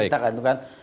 itu yang kita lakukan